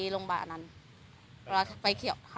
รณ์ด้วย